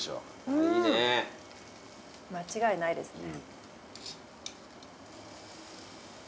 間違いないですね。